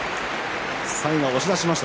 最後、押し出しました。